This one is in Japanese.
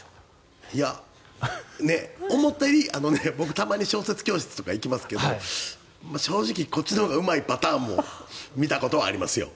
思ったより僕、たまに小説教室とか行きますけど正直、こっちのほうがうまいパターンも見たことはありますよ。